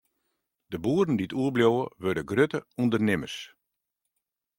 De boeren dy't oerbliuwe, wurde grutte ûndernimmers.